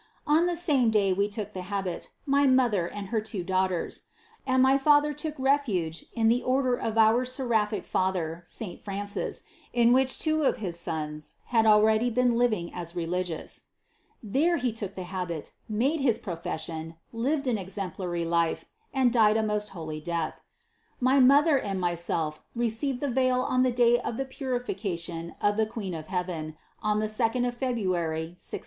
On the same day we took the habit, my mother and her two daughters; and my father took refuge in the order of our seraphic Father Saint Francis, in which two of his sons 20 INTRODUCTION had already been living as religious. There he took the habit, made his profession, lived an exemplary life, and died a most holy death. My mother and myself received the veil on the day of the Purification of the Queen of heaven, on the second of February, 1620.